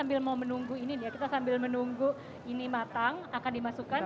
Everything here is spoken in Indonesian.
ini kita sambil menunggu ini matang akan dimasukkan